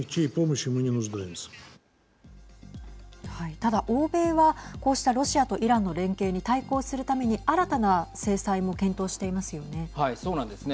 ただ欧米はこうしたロシアとイランの連携に対抗するために新たな制裁も検討していますよね。